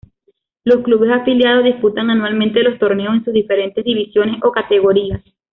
Los clubes afiliados disputan anualmente los torneos en sus diferentes divisiones o categorías.